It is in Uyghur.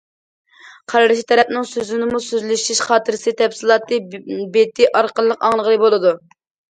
قارشى تەرەپنىڭ سۆزىنىمۇ سۆزلىشىش خاتىرىسى تەپسىلاتى بېتى ئارقىلىق ئاڭلىغىلى بولىدۇ.